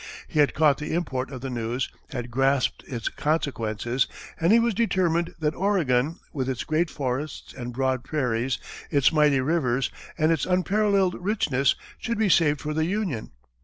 He had caught the import of the news, had grasped its consequences, and he was determined that Oregon, with its great forests and broad prairies, its mighty rivers, and its unparalleled richness, should be saved for the Union.